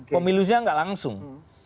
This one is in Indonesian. pemilihannya tidak langsung